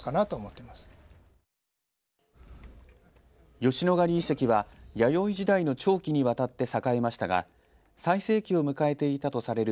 吉野ヶ里遺跡は弥生時代の長期にわたって栄えましたが最盛期を迎えていたとされる